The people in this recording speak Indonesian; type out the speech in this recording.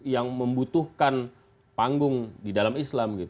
yang membutuhkan panggung di dalam islam